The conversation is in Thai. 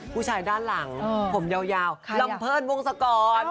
ผู้ชายด้านหลังผมยาวลำเภิญวงสะกอน